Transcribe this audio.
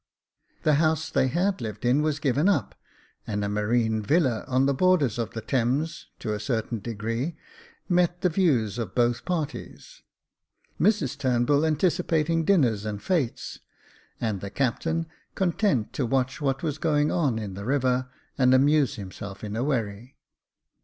The house they had Jacob Faithful 131 lived in was given up, and a marine villa on the borders of the Thames, to a certain degree, met the views of both parties ; Mrs Turnbull anticipating dinners and fetes, and the captain content to watch what was going on in the river, and amuse himself in a wherry.